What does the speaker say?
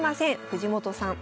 藤本さん